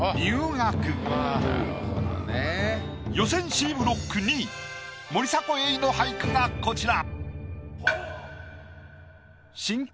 予選Ｃブロック２位森迫永依の俳句がこちら。